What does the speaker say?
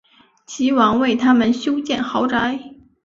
齐王为他们修建豪宅。